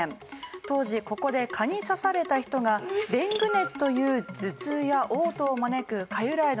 当時ここで蚊に刺された人がデング熱という頭痛や嘔吐を招く蚊由来の感染症を次々と発症。